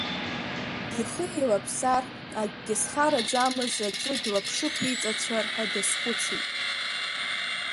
Ихы еилаԥсар, акгьы зхараӡамыз аӡәы длаԥшықәиҵацәар ҳәа даазхәыцит.